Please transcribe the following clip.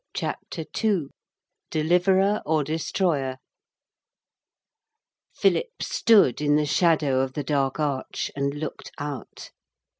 CHAPTER II DELIVERER OR DESTROYER Philip stood in the shadow of the dark arch and looked out.